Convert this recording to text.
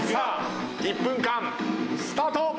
１分間、スタート。